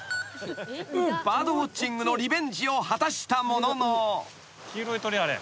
［バードウオッチングのリベンジを果たしたものの］